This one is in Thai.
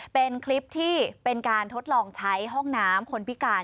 เป็นคลิปที่เป็นการทดลองใช้ห้องน้ำคนพิการ